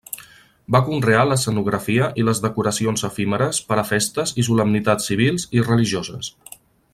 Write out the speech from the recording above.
Va conrear l'escenografia i les decoracions efímeres per a festes i solemnitats civils i religioses.